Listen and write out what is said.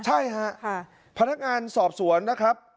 ใช่ฮะพนักงานสอบสวนนะครับ